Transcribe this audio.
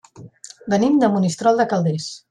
Venim de Monistrol de Calders.